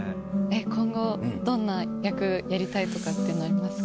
今後どんな役やりたいとかっていうのありますか？